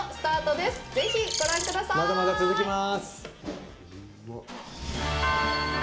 まだまだ続きます。